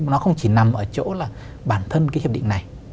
nó không chỉ nằm ở chỗ là bản thân cái hiệp định này